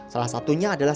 salah satunya adalah